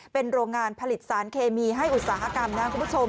เป็นโรงงานผลิตสารเคมีให้อุตสาหกรรมนะคุณผู้ชม